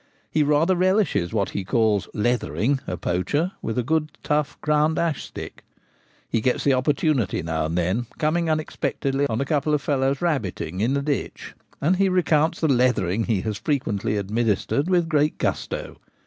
He rather relishes what he calls * leathering ' a poacher with a good tough ground ash stick. He gets the opportunity now and then, coming unexpectedly on a couple of fellows rabbiting in a ditch, and he recounts the * leathering ' he has frequently administered with great gusto.